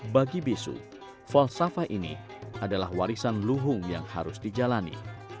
bagi bisu falsafah ini adalah warisan luhung yang harus dijalani